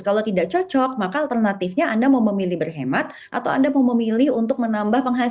kalau tidak cocok maka alternatifnya anda mau memilih berhemat atau anda mau memilih untuk menambah penghasilan